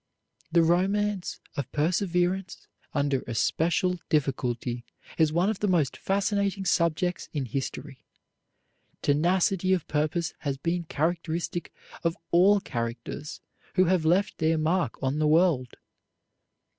The romance of perseverance under especial difficulty is one of the most fascinating subjects in history. Tenacity of purpose has been characteristic of all characters who have left their mark on the world.